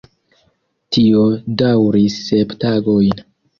Tio daŭris sep tagojn.